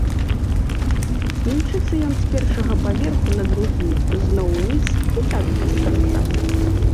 Імчыцца ён з першага паверху на другі, зноў уніз і так без канца.